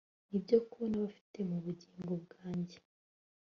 Nibyo ko nabifite mubugingo bwanjye